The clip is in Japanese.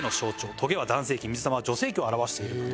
トゲは男性器水玉は女性器を表しているんだと。